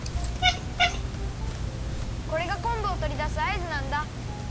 これがこんぶをとりだすあいずなんだ！